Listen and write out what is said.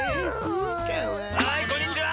はいこんにちは。